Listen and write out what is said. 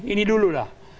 ini dulu lah